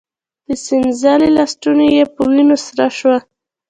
د څنځلې لستوڼی يې په وينو سور شو.